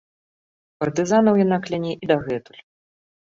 Партызанаў яна кляне і дагэтуль.